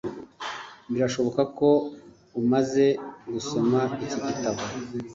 Birashoboka ko umaze gusoma iki gitabo